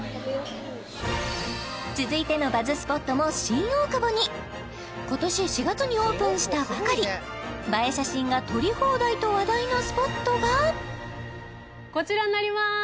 続いてのバズスポットも新大久保に今年４月にオープンしたばかり映え写真が撮り放題と話題のスポットがこちらになります